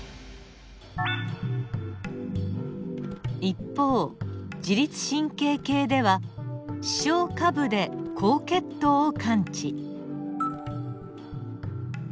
一方自律神経系では視床下部で高血糖を感知。